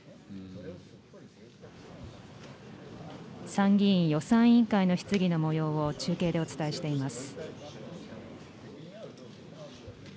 参議院予算委員会の質疑のもようを中継でお伝えしています。